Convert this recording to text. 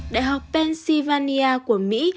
đại học pennsylvania của mỹ